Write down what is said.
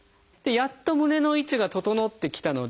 やっと胸の位置が整ってきたので。